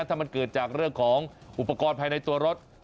ถ้ามันเกิดจากเรื่องของอุปกรณ์ภายในตัวรถ